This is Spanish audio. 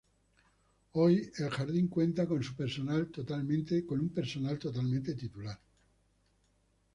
Hoy el jardín cuenta con su personal totalmente titular.